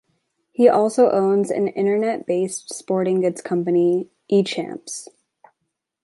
He also owns an internet-based sporting goods company, E Champs.